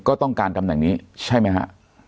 ก็ต้องการตำแหน่งนี้ใช่ไหมฮะ